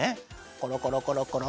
コロコロコロコロ。